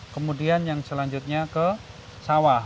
kemudian yang selanjutnya ke sawah